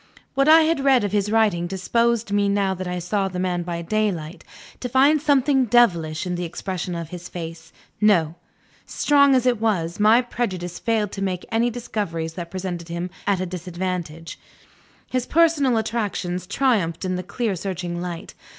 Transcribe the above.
What I had read of his writing disposed me, now that I saw the man by daylight, to find something devilish in the expression of his face. No! strong as it was, my prejudice failed to make any discoveries that presented him at a disadvantage. His personal attractions triumphed in the clear searching light.